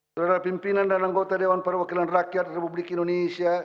saudara pimpinan dan anggota dewan perwakilan rakyat republik indonesia